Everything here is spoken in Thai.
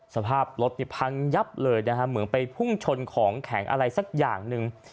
สภาพรถนี่พังยับเลยนะฮะเหมือนไปพุ่งชนของแข็งอะไรสักอย่างหนึ่ง